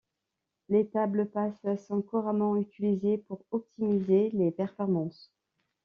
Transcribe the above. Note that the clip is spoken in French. Les tablespaces sont couramment utilisés pour optimiser les performances.